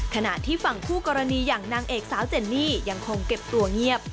ขณะที่ฝั่งคู่กรณีอย่างนางเอกสาวเจนนี่ยังคงเก็บตัวเงียบ